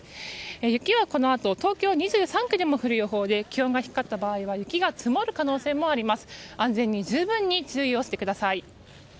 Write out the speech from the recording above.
雪はこのあと東京２３区でも降る予報で気温が低かった場合は雪が積もる可能性もあります。